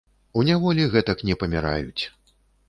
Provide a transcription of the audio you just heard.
У няволі гэтак не паміраюць.